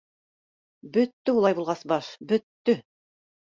— Бөттө улай булғас баш, бөттө!